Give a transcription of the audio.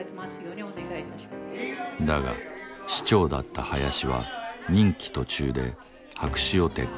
だが市長だった林は任期途中で白紙を撤回。